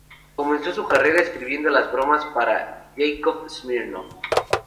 Comenzó su carrera escribiendo las bromas para Yakov Smirnoff.